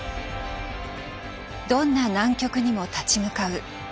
どんな難局にも立ち向かう。